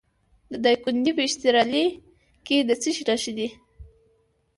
د دایکنډي په اشترلي کې د څه شي نښې دي؟